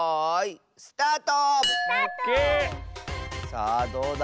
さあどうだ？